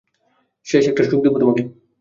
শেষ একটা সুযোগ দিব তোমাকে।